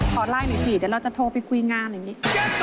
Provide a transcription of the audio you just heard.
ขอไลน์หมดสิเดี๋ยวเราจะโทรไปคุยงานนี่